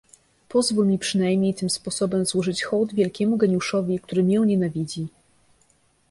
"Pozwól mi przynajmniej tym sposobem złożyć hołd wielkiemu geniuszowi, który mię nienawidzi."